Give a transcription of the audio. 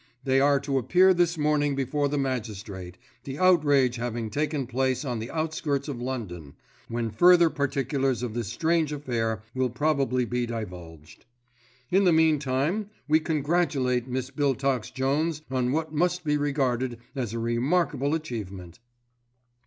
They are to appear this morning before the magistrate, the outrage having taken place on the outskirts of London, when further particulars of this strange affair will probably be divulged. "In the meantime we congratulate Miss Biltox Jones on what must be regarded as a remarkable achievement."